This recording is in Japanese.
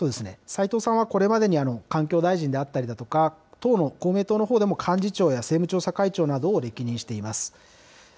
斉藤さんはこれまでに環境大臣であったりだとか、党の公明党のほうでも、幹事長や政務調査会長などを歴任しています。